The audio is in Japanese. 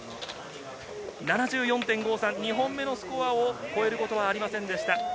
７４．５３、２本目のスコアを超えることはありませんでした。